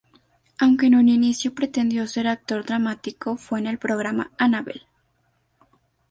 Aunque en un inicio pretendió ser actor dramático, fue en el programa ¡Anabel!